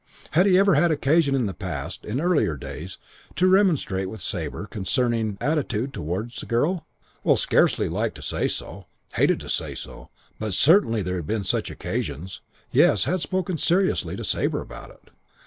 Had he ever had occasion in the past, in earlier days, to remonstrate with Sabre concerning attitude towards girl? Well, scarcely liked to say so, hated to say so, but certainly there had been such occasions. Yes, had spoken seriously to Sabre about it.